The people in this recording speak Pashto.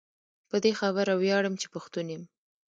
په دي خبره وياړم چي پښتون يم